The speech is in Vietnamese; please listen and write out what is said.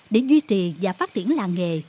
để duy trì và phát triển làng nghề